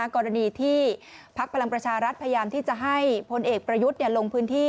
กรณีที่พักพลังประชารัฐพยายามที่จะให้พลเอกประยุทธ์ลงพื้นที่